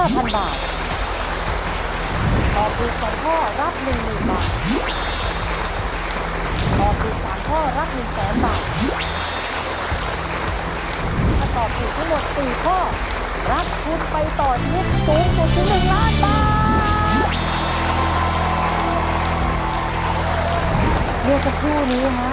เมื่อสักครู่นี้นะฮะ